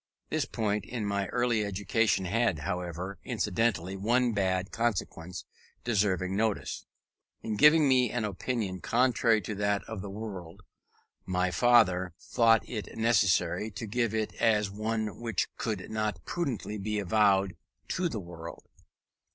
This point in my early education had, however, incidentally one bad consequence deserving notice. In giving me an opinion contrary to that of the world, my father thought it necessary to give it as one which could not prudently be avowed to the world.